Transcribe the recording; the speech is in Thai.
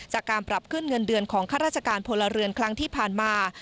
จากการปรับขึ้นเงินเดือนของข้าราชการพลเรือนครั้งที่ผ่านมา